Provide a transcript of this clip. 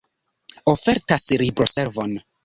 Ofertas libroservon.